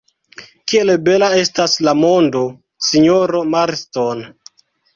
Kiel bela estas la mondo, sinjoro Marston!